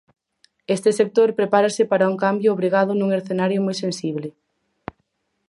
Este sector prepárase para un cambio obrigado nun escenario moi sensible.